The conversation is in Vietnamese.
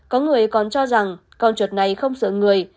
có người còn cho rằng con chuột này không sợ người